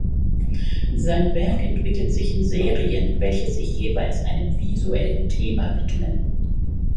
Sein Werk entwickelt sich in Serien, welche sich jeweils einem visuellen Thema widmen.